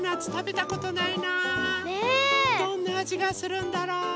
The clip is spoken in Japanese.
どんなあじがするんだろう？